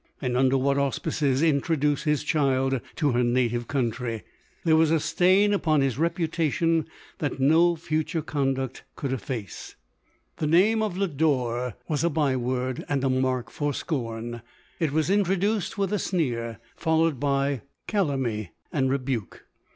and un der what auspices introduce his child to her native country ? There was a stain upon his reputation that no future conduct could efface. ■212 LODORE. The name of Lodore was a by word and a mark for scorn ; it was introduced with a sneer, followed by calumny and rebuke.